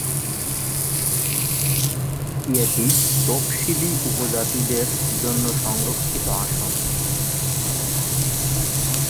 এটি তপসিলী উপজাতিদের জন্য সংরক্ষিত আসন।